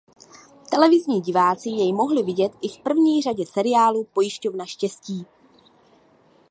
Televizní diváci jej mohli vidět i v první řadě seriálu "Pojišťovna štěstí".